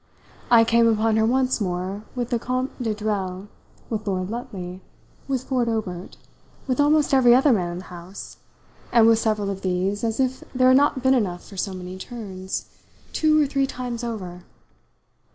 I came upon her once more with the Comte de Dreuil, with Lord Lutley, with Ford Obert, with almost every other man in the house, and with several of these, as if there had not been enough for so many turns, two or three times over.